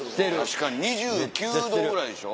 確かに２９℃ぐらいでしょ。